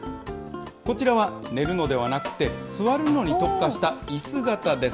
こちらは寝るのではなくて、座るのに特化したイス型です。